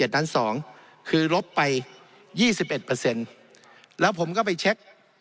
๗ล้าน๒คือลบไป๒๑เปอร์เซ็นต์แล้วผมก็ไปเช็ค